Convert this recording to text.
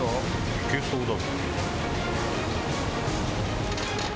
行けそうだ。